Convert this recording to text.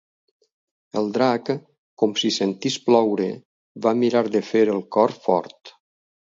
El drac, com si sentís ploure, va mirar de fer el cor fort.